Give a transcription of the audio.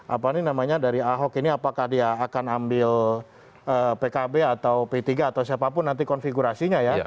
apa nih namanya dari ahok ini apakah dia akan ambil pkb atau p tiga atau siapapun nanti konfigurasinya ya